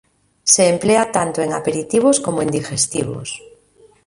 Se emplea tanto en aperitivos como en digestivos.